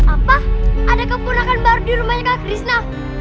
apa ada keponakan baru di rumahnya kak krishna